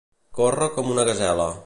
Córrer com una gasela.